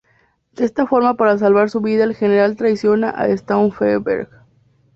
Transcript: De esta forma para salvar su vida el General traiciona a Stauffenberg.